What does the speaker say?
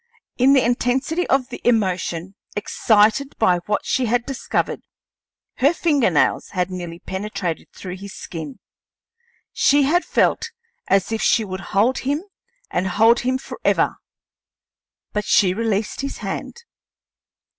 In the intensity of the emotion excited by what she had discovered, her finger nails had nearly penetrated through his skin. She had felt as if she would hold him and hold him forever, but she released his hand.